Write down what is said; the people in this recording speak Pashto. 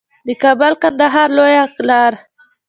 د کابل کندهار لویه لار